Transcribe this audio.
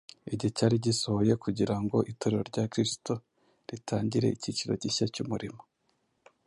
Igihe cyari gisohoye kugira ngo Itorero rya Kristo ritangire icyiciro gishya cy’umurimo.